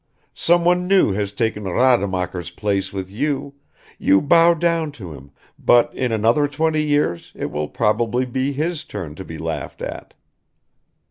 Someone new has taken Rademacher's place with you; you bow down to him, but in another twenty years it will probably be his turn to be laughed at."